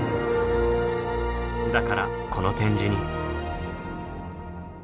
だからこの展示に。